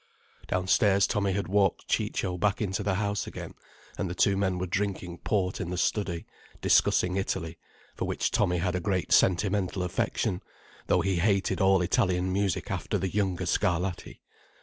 —" Downstairs Tommy had walked Ciccio back into the house again, and the two men were drinking port in the study, discussing Italy, for which Tommy had a great sentimental affection, though he hated all Italian music after the younger Scarlatti.